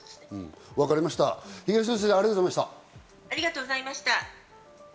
東野先生、ありがとうございました。